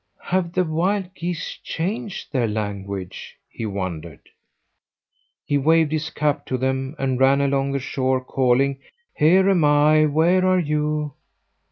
Have the wild geese changed their language?" he wondered. He waved his cap to them and ran along the shore calling. "Here am I, where are you?"